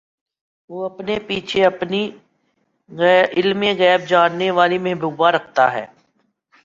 وہ اپنے پیچھے اپنی علمِغیب جاننے والی محبوبہ رکھتا ہے